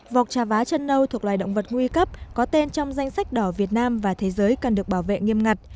vọc trà vá chân nâu thuộc loài động vật nguy cấp có tên trong danh sách đỏ việt nam và thế giới cần được bảo vệ nghiêm ngặt